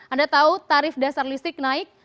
anda tahu tarif dasar listrik naik